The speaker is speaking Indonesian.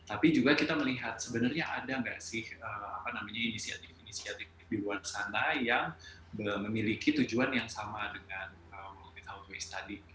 tapi juga kita melihat sebenarnya ada nggak sih inisiatif inisiatif di luar sana yang memiliki tujuan yang sama dengan world out waste tadi